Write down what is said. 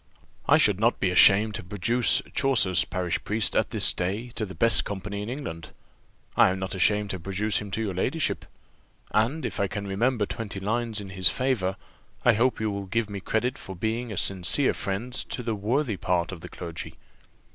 I should not be ashamed to produce Chaucer's parish priest at this day to the best company in England I am not ashamed to produce him to your ladyship; and if I can remember twenty lines in his favour, I hope you will give me credit for being a sincere friend to the worthy part of the clergy.